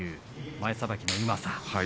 前さばきのうまさ。